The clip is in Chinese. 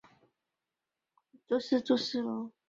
这部作品描写的是一名名叫塞莱丝汀的女仆的日记。